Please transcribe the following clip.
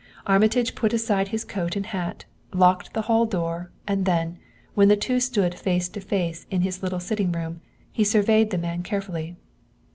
Armitage put aside his coat and hat, locked the hall door, and then, when the two stood face to face in his little sitting room, he surveyed the man carefully.